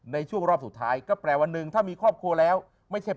ในช่วงรอบสุดท้ายก็แปลว่าหนึ่งถ้ามีครอบครัวแล้วไม่ใช่